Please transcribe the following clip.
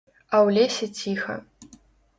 А ў лесе ціха.